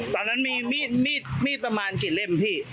ตอนนั้นมีเอ้ยมีดประมาณกี่เล่มหรือพี่